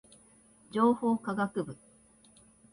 情報科学部